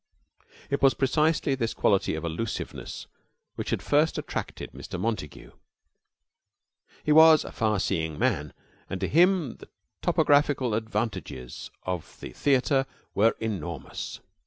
It was precisely this quality of elusiveness which had first attracted Mr. Montague. He was a far seeing man, and to him the topographical advantages of the theater were enormous.